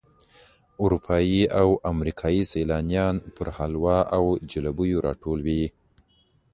اروپایي او امریکایي سیلانیان پر حلواو او جلبیو راټول وي.